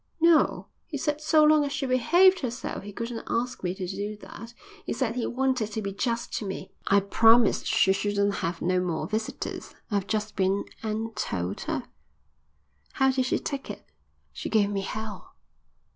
"No, he said so long as she behaved herself he couldn't ask me to do that. He said he wanted to be just to me. I promised she shouldn't have no more visitors. I've just been and told her." "How did she take it?" "She gave me Hell."